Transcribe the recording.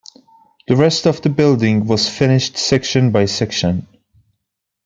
The rest of the building was finished section by section.